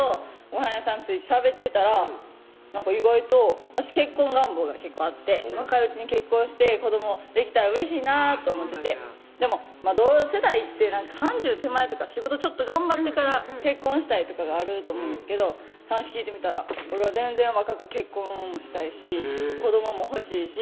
ごはん屋さん着いてしゃべってたら意外と私結婚願望が結構あって若いうちに結婚して子どもできたらうれしいなぁと思っててでも同世代って３０手前とか仕事ちょっと頑張ってから結婚したいとかがあると思うんですけど話聞いてみたら「俺は全然若く結婚もしたいし子どもも欲しいし」